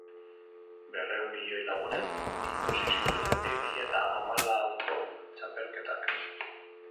Berrehun milioi lagunek ikusi zituzten bi mila eta hamalauko txapelketak.